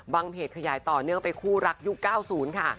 เพจขยายต่อเนื่องไปคู่รักยุค๙๐ค่ะ